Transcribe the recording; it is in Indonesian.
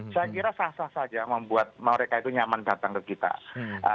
saya kira sah sah saja membuat mereka itu nyaman datang ke kita